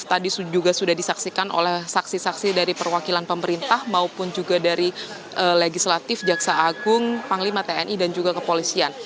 tadi juga sudah disaksikan oleh saksi saksi dari perwakilan pemerintah maupun juga dari legislatif jaksa agung panglima tni dan juga kepolisian